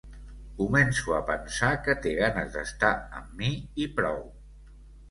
Començo a pensar que té ganes d'estar amb mi i prou.